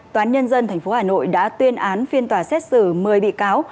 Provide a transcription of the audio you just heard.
toán nhân dân tp hà nội đã tuyên án phiên tòa xét xử một mươi bị cáo